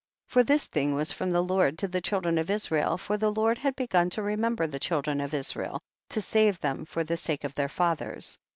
49. For this thing was from the Lord to the children of Israel, for the Lord had begun to remember the children of Israel to save them for the sake of their fathers.